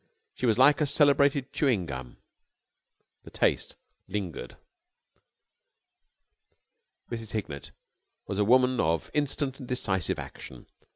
She was like a celebrated chewing gum. The taste lingered. Mrs. Hignett was a woman of instant and decisive action.